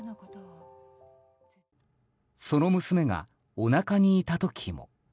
その娘がおなかにいた時も。